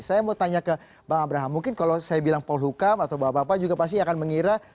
saya mau tanya ke bang abraham mungkin kalau saya bilang polhukam atau bapak bapak juga pasti akan mengira